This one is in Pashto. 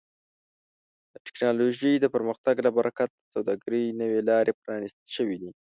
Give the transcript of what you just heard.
د ټکنالوژۍ د پرمختګ له برکت د سوداګرۍ نوې لارې پرانیستل شوي دي.